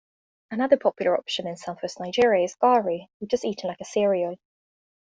Another popular option in southwest Nigeria is "Gari", which is eaten like a cereal.